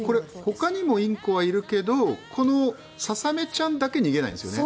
ほかにもインコはいるけどこのささめちゃんだけ逃げないんですよね？